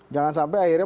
jangan sampai akhirnya